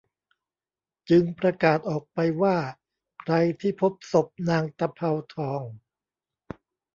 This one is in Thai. จึงประกาศออกไปว่าใครที่พบศพนางตะเภาทอง